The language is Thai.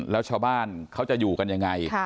แล้วชาวบ้านเขาจะอยู่กันยังไง